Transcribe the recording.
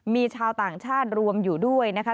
มีชาวต่างชาติรวมอยู่ด้วยนะคะ